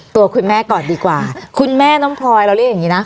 ตัวคุณแม่ก่อนดีกว่าคุณแม่น้องพลอยเราเรียกอย่างนี้นะ